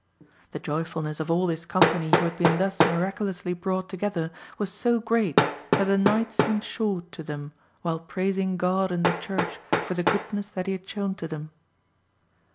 The joyfulness of all this company who had been thus miraculously brought together was so great that the night seemed short to them while praising God in the Church for the goodness that He had shown to them.